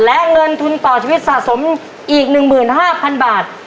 และเงินทุนต่อชีวิตสะสมอีกหนึ่งหมื่นห้าพันบาท